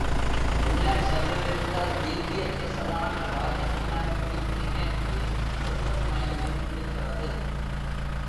முன்னர் சென்றிருந்த திவ்ய தேசமான ராஜமன்னார் குடிக்கு மேற்கே ஒன்பது மைலில் இருக்கிறது.